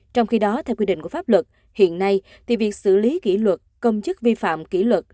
trong khi đó theo quy định của pháp luật hiện nay thì việc xử lý kỷ luật công chức vi phạm kỷ luật